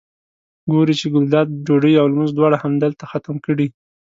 ګوري چې ګلداد ډوډۍ او لمونځ دواړه همدلته ختم کړي.